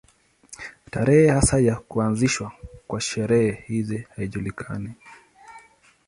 Tarehe hasa ya kuanzishwa kwa sherehe hizi haijulikani.